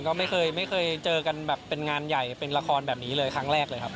ก็ไม่เคยไม่เคยเจอกันแบบเป็นงานใหญ่เป็นละครแบบนี้เลยครั้งแรกเลยครับ